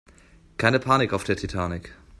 Keine Panik auf der Titanic!